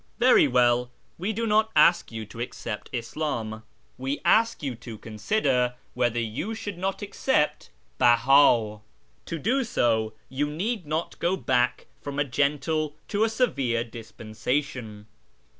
Very well, we do not ask you to accept Islam ; we ask you to consider whether you should not accept Beh;i. To do so you need not go back from a gentle to a severe dispensation.